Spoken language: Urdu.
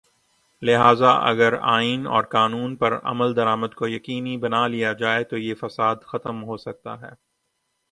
لہذا اگر آئین اور قانون پر عمل درآمد کو یقینی بنا لیا جائے تویہ فساد ختم ہو سکتا ہے۔